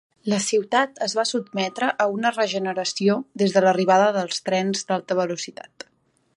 La ciutat es va sotmetre a una regeneració des de l’arribada dels trens d’alta velocitat.